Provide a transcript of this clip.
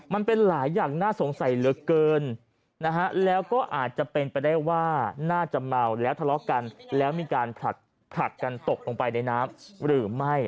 มันเป็นหลายอย่างน่าสงสัยเหลือเกินนะฮะแล้วก็อาจจะเป็นไปได้ว่าน่าจะเมาแล้วทะเลาะกันแล้วมีการผลักกันตกลงไปในน้ำหรือไม่